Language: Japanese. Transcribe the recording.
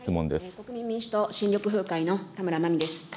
国民民主党新緑風会の田村麻美です。